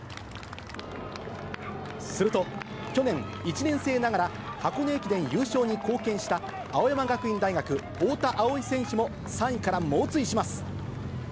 すると、去年、１年生ながら箱根駅伝優勝に貢献した青山学院大学、太田蒼生選手も３位から猛追します。